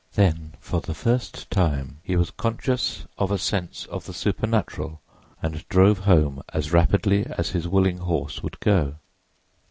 Then for the first time he was conscious of a sense of the supernatural and drove home as rapidly as his willing horse would go.